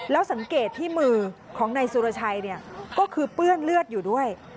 แล้วสังเกตที่มือของนายสุรชัยก็คือเปื้อนเลือดอยู่ด้วย